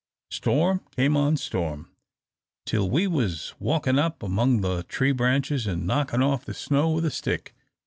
Storm came on storm, till we was walkin' up among the tree branches and knockin' off the snow with a stick.